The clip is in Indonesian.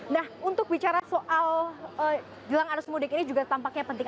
nah untuk bicara soal jelang arus mudik ini juga tampaknya penting